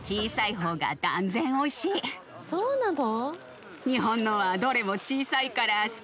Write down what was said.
そうなの？